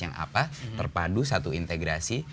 yang apa terpadu satu integrasi